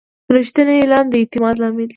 رښتینی اعلان د اعتماد لامل دی.